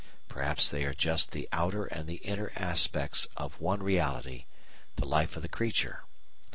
Perhaps they are just the outer and the inner aspects of one reality the life of the creature.